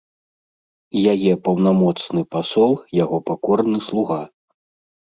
І яе паўнамоцны пасол яго пакорны слуга.